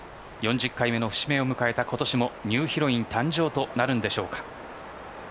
４０回目の節目を迎えた今年もニューヒロイン誕生となるんでしょうか。